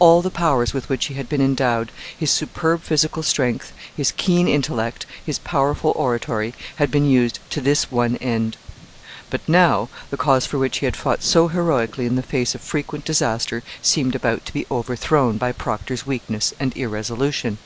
All the powers with which he had been endowed his superb physical strength, his keen intellect, his powerful oratory had been used to this one end. But now the cause for which he had fought so heroically in the face of frequent disaster seemed about to be overthrown by Procter's weakness and irresolution.